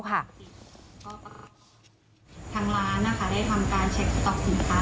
ก็ปรากฏทางร้านนะคะได้ทำการเช็กสต๊อกสินค้า